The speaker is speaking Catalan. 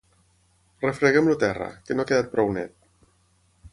Refreguem el terra, que no ha quedat prou net.